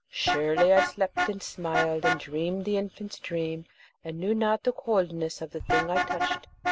Surely, I slept and smiled, and dreamed the infant's dream, and knew not the coldness of the thing I touched.